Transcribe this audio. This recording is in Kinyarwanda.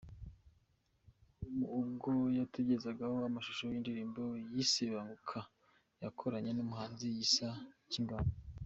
com ubwo yatugezagaho amashusho y’ indirimbo yise Banguka yakoranye n’umuhanzi Gisa cy’Inganzo.